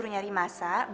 kok insya allah sih